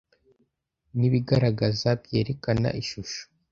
Nibigaragaza, byerekana ishusho